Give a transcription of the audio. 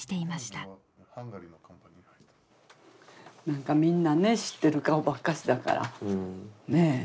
なんかみんなね知ってる顔ばっかしだからねえ。